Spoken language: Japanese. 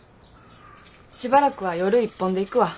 しばらくは夜一本でいくわ。